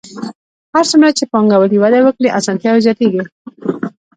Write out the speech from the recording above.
هر څومره چې پانګوالي وده وکړي اسانتیاوې زیاتېږي